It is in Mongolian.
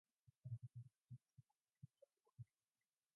Шинжлэх ухааны бүрэг хандлагууд мөнгөний төлөөх өрсөлдөөнд ноцтой хохирдог.